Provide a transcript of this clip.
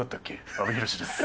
阿部寛です。